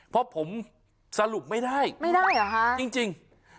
เพราะผมสรุปไม่ได้ไม่ได้เหรอฮะจริง